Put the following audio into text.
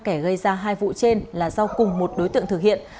kẻ gây ra hai vụ trên là do cùng một đối tượng thực hiện